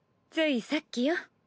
ついさっきよ。